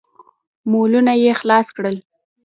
مولونه يې خلاص کړل.